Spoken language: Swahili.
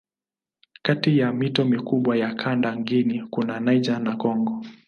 Kati ya mito mikubwa ya kanda Guinea kuna Niger na Kongo.